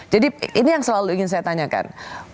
ini yang selalu ingin saya tanyakan